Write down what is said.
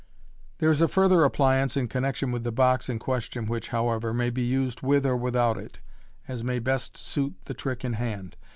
There is a further appliance in connection with the box in ques tion, which, however, may be used with or without it, as may best suit the trick in hand.